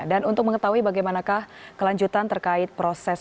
dan untuk mengetahui bagaimanakah kelanjutan terkait proses